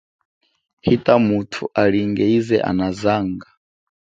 Hita muthu alinge ize anazanga.